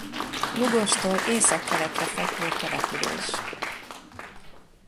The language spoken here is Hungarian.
Lugostól északkeletre fekvő település.